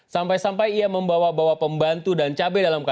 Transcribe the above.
sampai sampai ia membawa bawa pembantu dan cabangnya ke bapak